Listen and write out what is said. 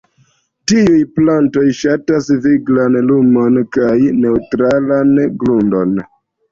Tiuj plantoj ŝatas viglan lumon kaj neŭtralan grundon.